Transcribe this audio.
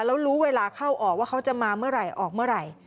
แล้วรู้เวลาเข้าออกว่าเขาจะมาเมื่อไหร่ออกเมื่อไหร่